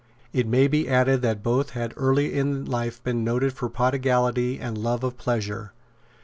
It may be added that both had early in life been noted for prodigality and love of pleasure.